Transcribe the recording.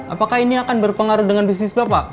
apakah ini akan berpengaruh dengan bisnis bapak